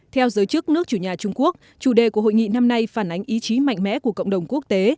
theo giới chức nước chủ nhà trung quốc chủ đề của hội nghị năm nay phản ánh ý chí mạnh mẽ của cộng đồng quốc tế